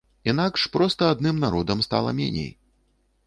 Інакш проста адным народам стане меней.